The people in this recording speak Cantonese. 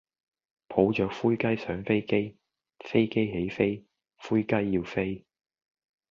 抱著灰雞上飛機，飛機起飛，灰雞要飛